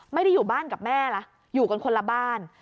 ไม่ได้อยู่บ้านกับแม่ล่ะอยู่กันคนละบ้าน